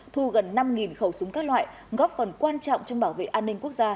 thu gần năm khẩu súng các loại góp phần quan trọng trong bảo vệ an ninh quốc gia